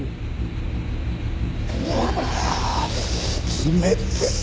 冷てえ。